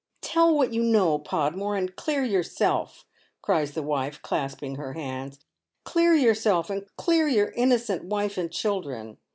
" Tell what you know, Podmore, and clear yourself," cries the wife, clasping her hands. " Clear yourself, and clear your innocent wife and children.